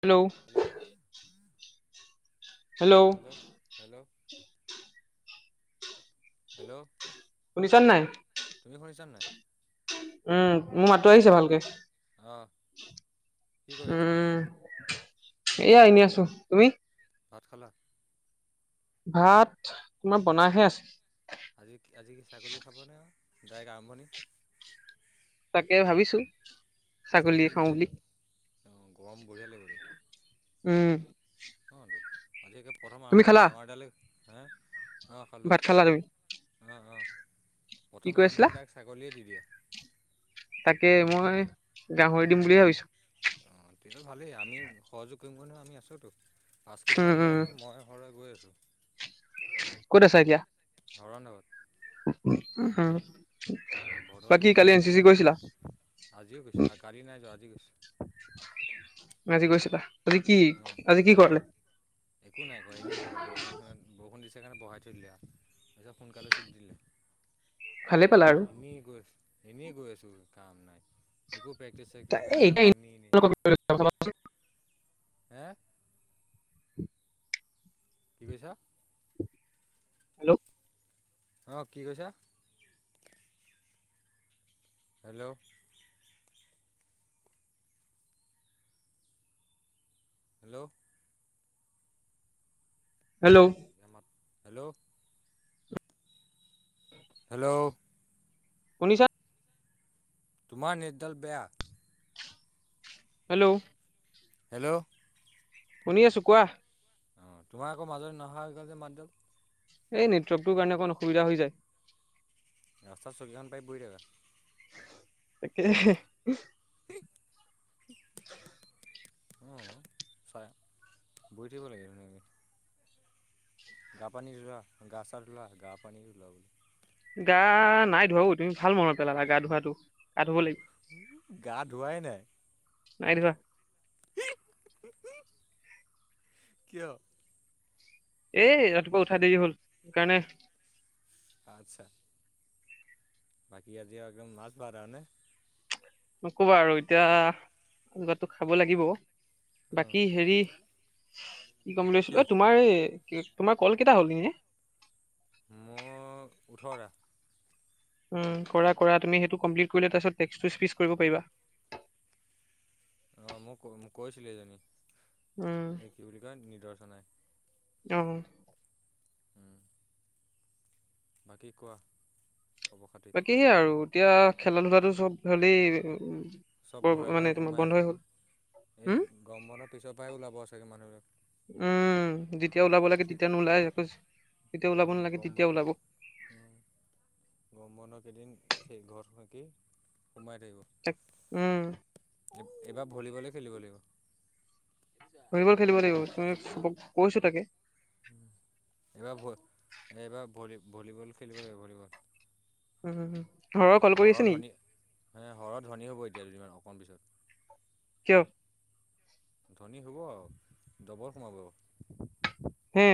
Hello. Hello hello hello hello hello শুনিছা নে নাই? তুমি শুনিছা নে নাই? উম মোৰ মাতটো আহিছে ভালকে? অঁ কি কৰি আছা উম এয়া এনেই আছোঁ তুমি? ভাত খালা? ভাত তোমাৰ বনাইহে আছে। আজি-আজি ছাগলী খাবনে আৰু ডাইৰেক্ট আৰম্ভণি তাকেই ভাবিছোঁ। ছাগলীটো অ' গৰম বঢ়িয়া লাগিবতো। উম। অতো আজি একে প্ৰথম তুমি আৰম্ভণি খালা ডাঙৰ এটালে হে অ' খালোঁ। ভাত খালা তুমি অ'-অ' কি প্ৰথম কৈ আৰম্ভণি দাক ছাগলীয়ে দি দিয়া। তাকেই মই গাহৰি দিম বুলিয়ে ভাবিছোঁ। অ' তেতিয়া হ'লে ভালেই আমি সহযোগ কৰিমগৈ নহয় আমি আছোতো পাঁচ উম কেজিমান লৈ উম আনা মই ঘৰলৈ গৈ আছোঁ। ক'ত আছা এতিয়া? [unintelligible] নগৰত। উম ঘৰডাল বাকী কালি নেটেৰিয়ে এন চি চি নাপায় গৈছিলা? আজিও গৈছোঁ আ কালি নাই যোৱা আজি গৈছোঁ। আজি গৈছিলা আজি কি অঁ আজি কি কৰিলে? একো নাই কৰা এনেই বৰষুণ [unintelligible] বৰষুণ দিছে কাৰণে বহাই থৈ দিলে আৰু পিছত সোনকালে চুটি দি দিলে। ভালে পালা আৰু এনে গৈ আছোঁ, এনে গৈ আছোঁ কাম নাই। একো প্ৰাাকটিছ চেকটিছ নাই কৰোৱা এনেই- এনেই। হে? কি কৈছা? হেল্ল' অ' কি কৈছা? Hello hello hello [unintelligible] hello hello. শুনিছাঁ? তোমাৰ নেট ডাল বেয়া। হেল্ল' হেল্ল' শুনি আছোঁ কোৱা? অ' তোমাৰ আকৌ মাজতে নহা হৈ গ'ল যে মাতডাল। এই নেটৱৰ্কটো কাৰণে অকণ অসুবিধা হৈ যায়। ৰাস্তাত চকীখন পাৰি বহি থাকা। তাকেহে। অ' চাই বহি থাকিব লাগে ধুনীয়াকে। গা পানী [unintelligible] গা চা ধুলা গা পানী [unintelligible] গা নাই ধোৱা অ' তুমি ভাল মনত পেলালা গা ধোৱাটো গা ধুব লাগিব। গা ধোৱাই নাই? নাই ধোৱা। কিয়? এই ৰাতিপুৱা উঠা দেৰি হ'ল সেইকাৰণে। আচ্ছা। বাকী আজি একদম মাছ [unintelligible] নকবা আৰু এতিয়া [unintelligible] খাব লাগিব। বাকী অঁ হেৰি কি কম বুলি কিয়? ভাবিছিলো অ' তোমাৰ এই তোমাৰ কল কেইটা হ'ল এনেই। মোক ওঠৰটা। উম কৰা-কৰা তুমি সেইটো কমপ্লিট কৰিলে তাৰপিছত টে্সটো স্পিচ কৰিব পাৰিবা। অ, মোক- মোক কৈছিলো এইজনী। উম। এ কি বুলি কয় নিদৰচনাই। [unintelligible] উম। বাকী কোৱা? খবৰ খাতি বাকী হে আৰু এতিয়া খেলা ধূলাটো চব চব [unintelligible] বৰ ঘৰে ঘৰে মানে তোমাৰ সোমাই আছে বন্ধই এই হ'ল উম গৰম বন্ধ পিছৰ পাই ওলাব চাগে মানুহবিলাক। উম, যেতিয়া ওলাব লাগে তেতিয়া নোলাই [unintelligible] যেতিয়া ওলাব উম, নালাগে গমব তেতিয়া ওলাব উম। গৰম বন্ধ কেইদিন সেই ঘৰত সেকি সোমাই থাকিব। [unintelligible] উম। এইব -এইবাৰ ভলীবলে খেলিব লাগিব। ভলীবল খেলিব লাগিব তুমি কৈছো তাকে। উম, এইবাৰ ভ এইবাৰ ভলী- ভলীবল খেলিব লাগিব ভলীবল উম হম, হম। কল কৰি আছে ঘৰৰ নেকি ধনী হে সৰহ ধনী হ'ব এতিয়া দুদিনমান অকণ পিছত। কিয়প ধনী হ'ব আৰু ডবল সোমাব। হে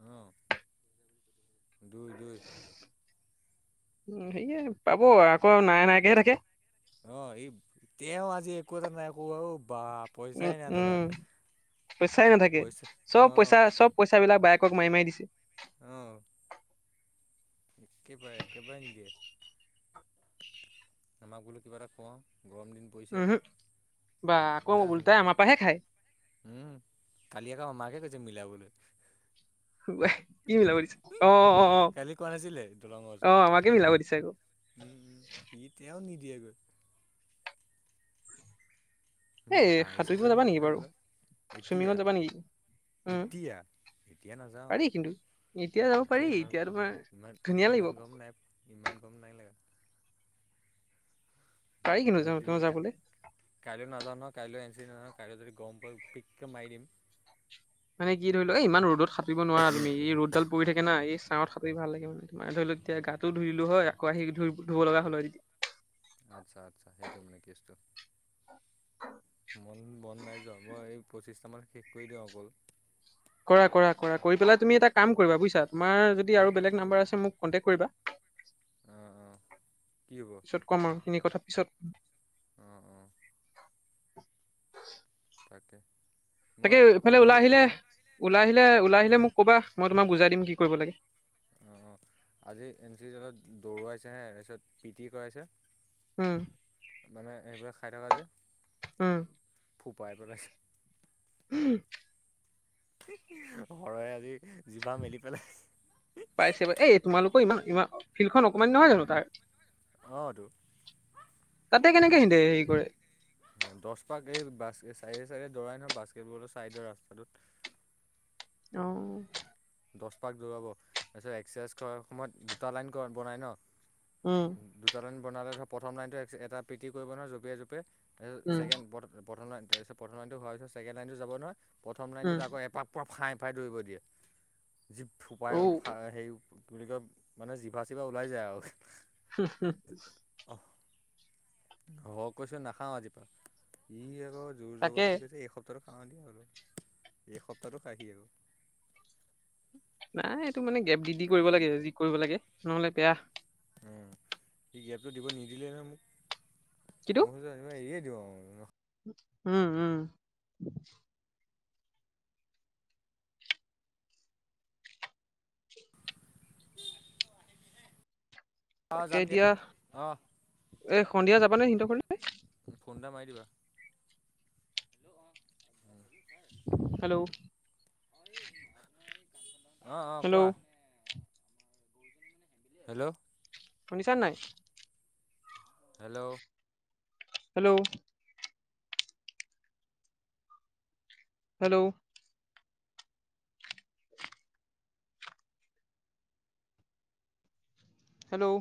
অ', দুই -দুই উম, সেয়ে পাব আকৌ নাই নাইকেহে থাকে। অ, এইব তেওঁ আজি একো এটা নাই আক [unintelligible] উম- উম পইচাই নাথাকে পইচা চব অ পইচা চব পইচা বিলাক বায়েকক মাৰি -মাৰি দিছে। অ', একে বাৰে-একে বাৰে নিদিয়ে। আমাক বোলো কিবা এটা খোৱাওঁ গৰম দিন। পৰিছে উহো, বা আকৌ একেবাৰে ধান্দা ওলোটাই নাই আমাৰ পাহে খায়। উম, কালি আক আমাকে কৈছে মিলাবলৈ। [unintelligible] কি মিলাব দিছে অ', অ', কালি কোৱা নাছিলে দলঙৰ ওচৰত অ', আমাকে মিলাব দিছে আকৌ। উম -উম কি তেল নিদিয়েগৈ। উম, এই হাহিছে সাঁতুৰিব যাবা নেকি বাৰু [unintelligible] চুইমিঙত এতিয়া? যাবা নেকি উম এতিয়া -এতিয়া নাযাওঁ। পাৰি কিন্তু যাব পাৰি এতিয়া ইমান- তোমাৰ ইমান ধুনীয়া লাগিব ইমান আকৌ। গম নাই- ইমান গম নাই লাগা। পাৰি কিন্তু ৰ'দ যাওঁ দিলে তেওঁ যে যাবলৈ কাইলৈও নাযাওঁ ন, কাইলৈ এন চি চি নহয় কাইলৈ যদি গৰম পৰে পিককে মাৰি দিম। মানে কি ধৰি লোৱা এ ইমান ৰ'দত সাতুৰিব নোৱাৰা তুমি এই ৰ'দডাল পৰি থাকে না এই ছাহত সাতুৰি ভাল লাগে মানে। [unintelligible] ধৰিলোঁ যেতিয়া গাতো ধুই দিলো হয় আকৌ আহি ধুই ধুব লগা হল হয়। আচ্ছা- আচ্ছা হেইটো মানে কেচটো। মন বন নাই যোৱা মই এই পঁচিছটামান শেষ কৰি দিওঁ অকল। কৰা -কৰা -কৰা কৰি পেলাই তুমি এটা কাম কৰিব বুইছা তোমাৰ যদি হা আৰু বেলেগ নাম্বাৰ আছে মোক কণ্টেক্ট কৰিবা। অ', অ', কি হ'ব? পিছত কম আৰু এইখিনি কথা পিছত অ', অ', তাকে মই তাকে এইফালে সুধিছি ওলাই আহিলে হা ওলাই আহিলে ওলাই আহিলে মোক ক'বা মই তোমাক বুজাই দিম কি কৰিব লাগে অ আজি এন চি এলত দৌৰৱাইছেহে তাৰপিছত পি টি কৰাইছে উম মানে এইবিলাক খাই থকা যে উম ফুপাই পেলাইছে উ হে হে সৰাই আজি জিভা মেলি পেলাই পাইছে বা এই তোমালোকৰ ইমান ইমান ফিল্ডখন অকনমানি নহয় জানো তাৰ অ তো তাতে কেনেকে সিহঁতে হেৰি কৰে। উম দছ পাক এই বাছ চাইডে চাইডে দৰাই নহয় বাস্কেটবলৰ চাইডৰ ৰাস্তাটোত অ দহ পাক দৌৰাব তাৰপিছত এক্সাৰচাইজ কৰাৰ সময়ত দুটা লাইন ক বনাই ন উম দুটা লাইন বনালে ধৰ প্ৰথম লাইনটো এক এটা পিটি কৰিব নহয় জপিয়াই জপিয়াই এ উম ছেকেণ্ড প্ৰথম লাইন তাৰপিছ প্ৰথম লাইনটো হোৱাৰ পিছ‌ত ছেকেণ্ড লাইনটো যাব নহয় প্ৰথম উম লাইনটো আকৌ এপাক পুৰা ফাই ফাই দৌৰিব দিয়ে জি ফোপাই ঔ ফা হে কি বুলি কয় মানে জিভা চিভা ওলাই যায় আও হু হু অফ অ কৈছো নাখাও আজিপা হি আকৌ জোৰ তাকে। জবৰদস্তি কৈছে এইস প্তাহটো কা ধৰি আৰু এইসপ্তাহটো খাহি আৰু নাই এইটো মানে গেপ দি দি কৰিব লাগে যি কৰিব লাগে নহলে বেয়া উম সি গেপটো দিব নিদিলে নহয় মোক কিটো মই ভাবিছো একেবাৰে এৰিয়ে দিও আও উম উম অ তাকে যাম দিয়া এতিয়া অ এ সন্ধিয়া যাবা নে সিহঁতৰ ঘৰলে ফোন এটা মাৰি দিবা দিলো অ উম হেল্ল' মই এই আপোনাৰ এই কাঞ্চন অ অ কোৱা হেল্ল' হেল্ল' শুনিছা নাই hello hello hello hello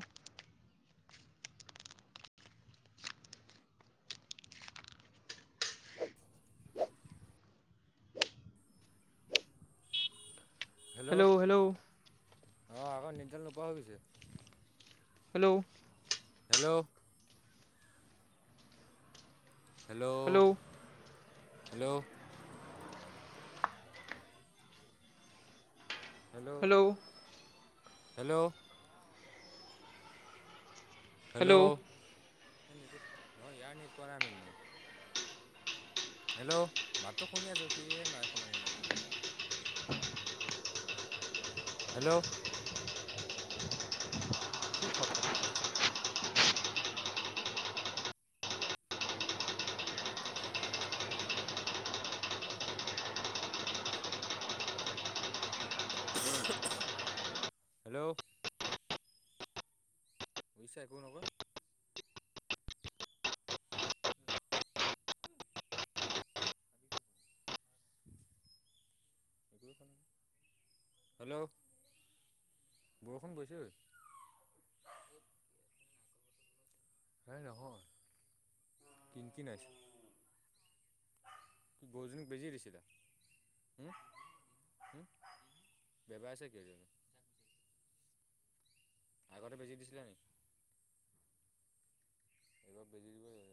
hello অ আকৌ নেটডাল নোপোৱা হৈ গৈছে hello hello hello hello hello hello hello তই নিজে নহয় ইয়াৰ নেট পোৱা নাই মৃন্ময় অ তাৰ নেট নাপাই হেল্ল' মাততো শুনি আছো সিহে নাই শুনা মোৰ মাতটো দেখোন হেল্ল' কি খট খট মাতি আছ কৰি লাটদাৰ টমটমখন চলাম বুলি কোৱা নাই হেল্ল' বুইছা একো নকয় হেল্ল' বৰষুণ বৈছে অই হে নহয় কিন কিনাইছে কি গৰুজনীক বেজি দিছিলা উম উম বেবাইছে কেলে নো আগতে বেজি দিছিলা নি এইবাৰ বেজি দিবই